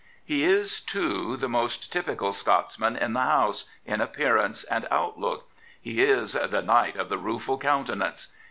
He is, too, the most typical Scotsman in the House, in appearance and outlook. He is " ^e Knight of the Rueful Countenance."